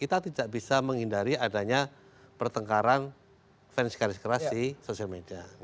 kita tidak bisa menghindari adanya pertengkaran fans garis keras di sosial media